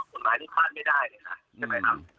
โทษภาคภาคไม่ได้นะครับ